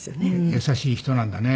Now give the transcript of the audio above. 優しい人なんだね。